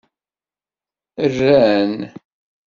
Rran.